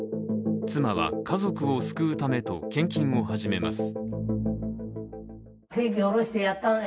妻は、家族を救うためと献金を始めます。